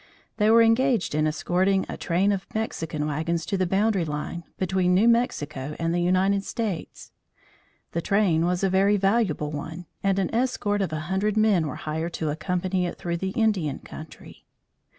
They were engaged in escorting a train of Mexican wagons to the boundary line between New Mexico and the United States. The train was a very valuable one and an escort of a hundred men were hired to accompany it through the Indian country.